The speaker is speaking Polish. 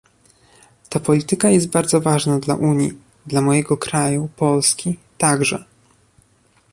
Ta polityka jest bardzo ważna dla Unii, dla mojego kraju, Polski, także